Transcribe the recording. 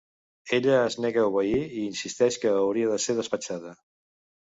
Ella es nega a obeir i insisteix que hauria de ser despatxada.